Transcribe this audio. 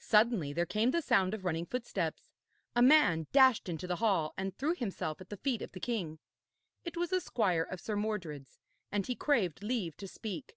Suddenly there came the sound of running footsteps; a man dashed into the hall, and threw himself at the feet of the king. It was a squire of Sir Mordred's, and he craved leave to speak.